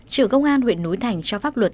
trưởng công an huyện núi thành cho pháp luật